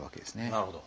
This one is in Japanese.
なるほど。